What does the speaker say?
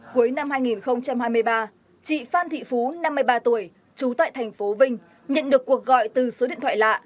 cuối năm hai nghìn hai mươi ba chị phan thị phú năm mươi ba tuổi trú tại thành phố vinh nhận được cuộc gọi từ số điện thoại lạ